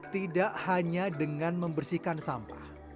tidak hanya dengan membersihkan sampah